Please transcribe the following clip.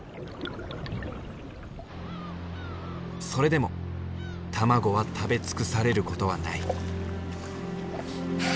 それでも卵は食べ尽くされることはない。